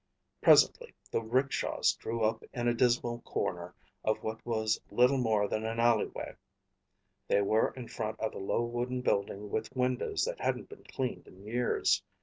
Presently the rickshaws drew up in a dismal corner of what was little more than an alleyway. They were in front of a low wooden building with windows that hadn't been cleaned in years.